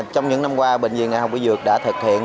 trong những năm qua bệnh viện đại học mỹ dược đã thực hiện